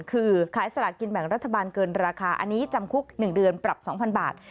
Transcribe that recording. คือขายสลากินแบ่งรัฐบาลเกินราคาอันนี้จำคุก๑เดือนปรับ๒๐๐บาท